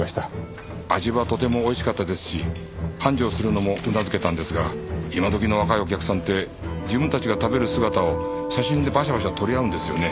味はとてもおいしかったですし繁盛するのもうなずけたんですが今時の若いお客さんって自分たちが食べる姿を写真でバシャバシャ撮り合うんですよね。